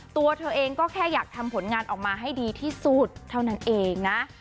ตัวเธอเองก็แค่อยากทำผลงานออกมาให้ดีที่สุดเท่านั้นเองนะ